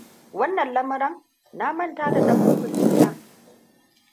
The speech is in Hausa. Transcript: Wannan lamuran! Na manta da dan makullin na!